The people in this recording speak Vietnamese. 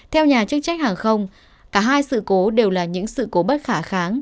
theo nhà chức trách hàng không cả hai sự cố đều là những sự cố bất khả kháng